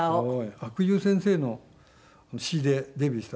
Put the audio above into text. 阿久悠さんの詞でデビューした？